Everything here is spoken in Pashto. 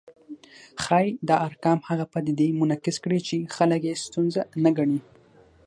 ښايي دا ارقام هغه پدیدې منعکس کړي چې خلک یې ستونزه نه ګڼي